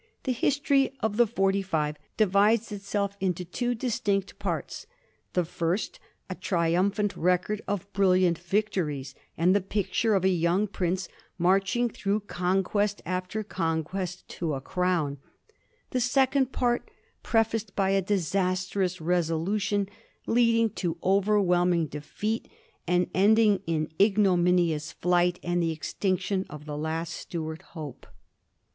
The history of the Forty five divides itself into two distinct parts : the first a triumphant record of brilliant victories, and the picture of a young prince marching through con quest after conquest to a crown ; the second part prefaced by a disastrous resolution, leading to overwhelming defeat, and ending in ignominious flight and the extinction of the last Stuart hope.